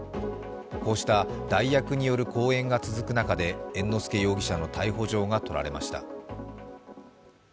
こうした代役による公演が続く中で、猿之助容疑者の逮捕状が取られました。